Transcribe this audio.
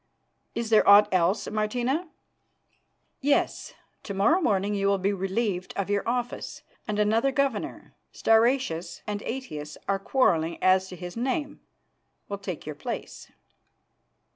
Is there aught else, Martina?" "Yes. To morrow morning you will be relieved of your office, and another governor Stauracius and Aetius are quarrelling as to his name will take your place."